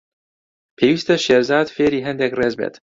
پێویستە شێرزاد فێری هەندێک ڕێز بێت.